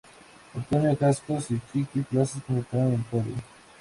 Antonio Cascos y Chiqui Plazas completaron el pódium.